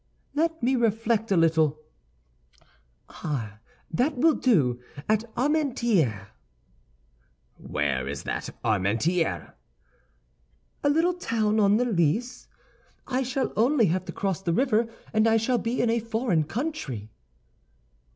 "Let me reflect a little! Ay, that will do—at Armentières." "Where is that Armentières?" "A little town on the Lys; I shall only have to cross the river, and I shall be in a foreign country."